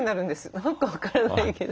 何か分からないけど。